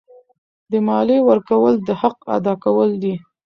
د مالیې ورکول د حق ادا کول دي.